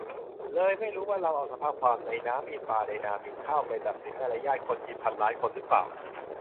เลยไม่รู้ว่า เราเอาสภาพความ "ในน้ำมีปลาในนามีข้าว" ไปตัดสินมารยาทคนจีนพันล้านคนรึเปล่า